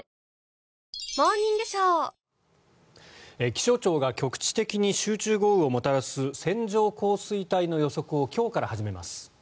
気象庁が局地的に集中豪雨をもたらす線状降水帯の予測を今日から始めます。